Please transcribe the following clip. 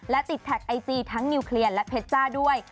และติดแท็กไอจีทั้งนิวเคลียร์และเพชจ้าด้วย